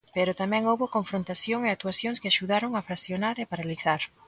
Pero tamén houbo confrontación e actuacións que axudaron a fraccionar e paralizar.